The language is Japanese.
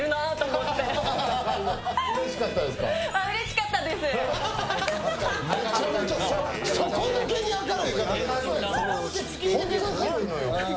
うれしかったですか？